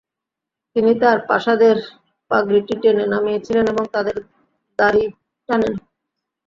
তিনি তাঁর পাশাদের পাগড়িটি টেনে নামিয়েছিলেন এবং তাদের দাড়ি টানেন।